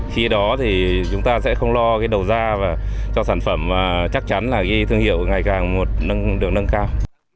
khi đó thì chúng ta sẽ không lo cái đầu ra và cho sản phẩm chắc chắn là cái thương hiệu ngày càng được nâng cao